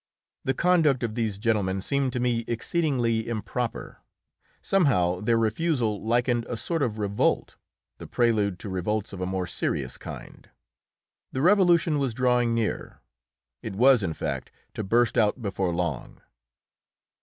The conduct of these gentlemen seemed to me exceedingly improper; somehow their refusal likened a sort of revolt the prelude to revolts of a more serious kind. The Revolution was drawing near; it was, in fact, to burst out before long.